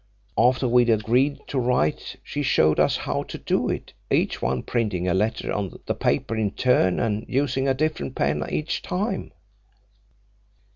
After we'd agreed what to write, she showed us how to do it, each one printing a letter on the paper in turn, and using a different pen each time."